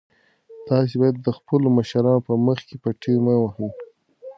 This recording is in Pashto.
تاسي باید د خپلو مشرانو په مخ کې پټې مه وهئ.